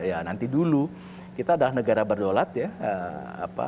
ya nanti dulu kita adalah negara berdaulat ya